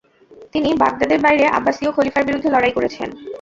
তিনি বাগদাদের বাইরে আব্বাসীয় খলিফার বিরুদ্ধে লড়াই করেছেন।